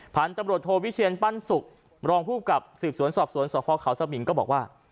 พันธุ์ตำรวจโทวิเชียนปั้นสุกรองผู้กับสืบสวนสอบสวนสพเขาสมิงก็บอกว่า